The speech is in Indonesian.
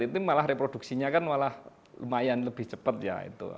itu malah reproduksinya lumayan lebih cepat